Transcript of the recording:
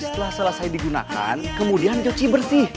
setelah selesai digunakan kemudian cuci bersih